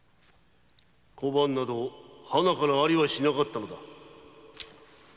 小判などハナからありはしなかったのだ。